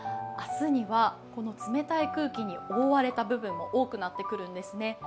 明日にはこの冷たい空気に覆われた部分も多くなってくるんですね。